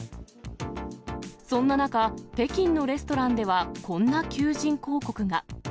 そんな中、北京のレストランでは、こんな求人広告が。